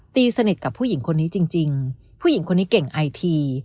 ตีสนิทกับผู้หญิงคนนี้จริงผู้หญิงคนนี้เก่งไอที